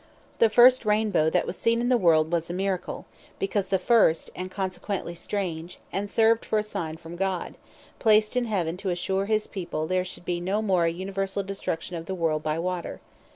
The first Rainbow that was seen in the world, was a Miracle, because the first; and consequently strange; and served for a sign from God, placed in heaven, to assure his people, there should be no more an universall destruction of the world by Water.